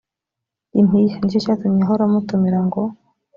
impiya ni cyo cyatumye ahora amutumira ngo